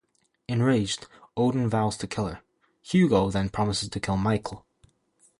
Enraged, Odin vows to kill her; Hugo then promises to kill Michael.